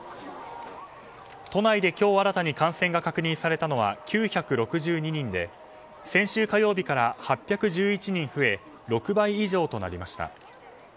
都内で今日新たに感染が確認されたのは９６２人で、先週火曜日から８１１人増え６倍以上となりました。